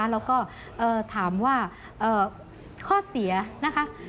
แล้วก็ถามว่าข้อเสียนะคะ